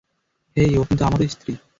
হেই, ও কিন্তু আমারো স্ত্রী।